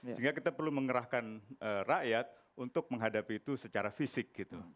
sehingga kita perlu mengerahkan rakyat untuk menghadapi itu secara fisik gitu